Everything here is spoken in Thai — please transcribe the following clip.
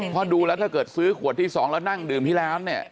เพราะดูแล้วถ้าเกิดซื้อขวดที่๒แล้วนั่งดื่มที่ร้านเนี่ย